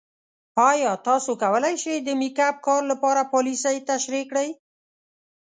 ایا تاسو کولی شئ د میک اپ کار لپاره پالیسۍ تشریح کړئ؟